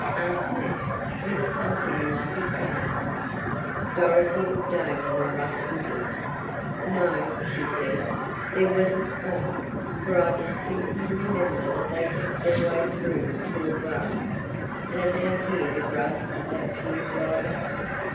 asked Nat, with something like a sigh. Dorothy looked over the rough woodland. "No," she said, "there was a swamp, for I distinctly remember that they picked their way through tall grass, and about here the grass is actually dried up."